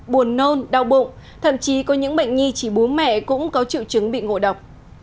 buồn nôn đau bụng thậm chí có những bệnh nhi chỉ bố mẹ cũng có triệu chứng bị ngộ độc